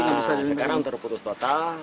sekarang terputus total